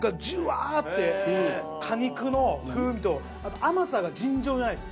果肉の風味とあと甘さが尋常じゃないです。